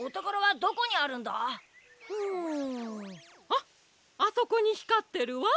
あっあそこにひかってるわ。